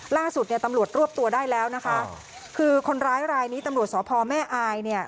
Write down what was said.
ล่าสุดเนี่ยตำรวจรวบตัวได้แล้วนะคะคือคนร้ายรายนี้ตำรวจสพแม่อายเนี่ย